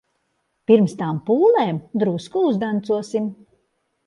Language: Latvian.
Pirms tām pūlēm drusku uzdancosim.